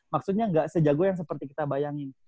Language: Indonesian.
maksudnya nggak sejago yang seperti kita bayangin